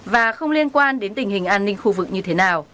và không liên quan đến tình hình an ninh khu vực như thế nào